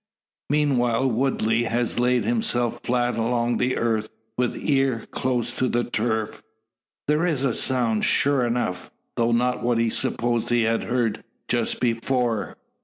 Meanwhile Woodley has laid himself flat along the earth, with ear close to the turf. There is a sound, sure enough; though not what he supposed he had heard just before.